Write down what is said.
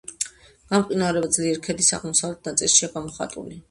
გამყინვარება ძლიერ ქედის აღმოსავლეთ ნაწილშია გამოხატული.